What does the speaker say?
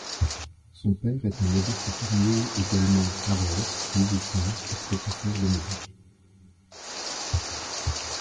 Son père est un modeste fermier également graveur, musicien et professeur de musique.